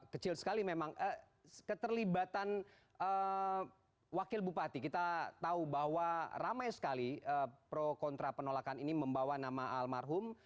kecil sekali memang keterlibatan wakil bupati kita tahu bahwa ramai sekali pro kontra penolakan ini membawa nama almarhum